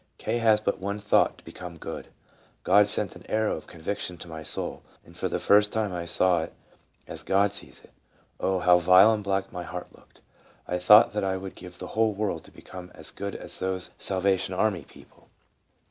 '" K. has but one thought — to become good :" God sent an arrow of con viction to my soul, and for the first time I saw it as God sees it ; O, how vile and black my heart looked ! I thought that I would give the whole world to become as good as those Salvation Army people."